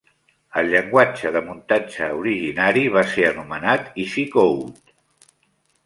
El llenguatge de muntatge originari va ser anomenat Easycoder.